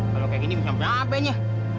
kalau kayak gini bisa sampai apa ini